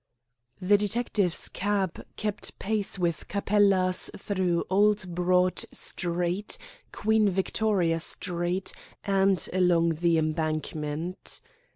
The detective's cab kept pace with Capella's through Old Broad Street, Queen Victoria Street, and along the Embankment.